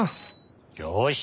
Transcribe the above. よし！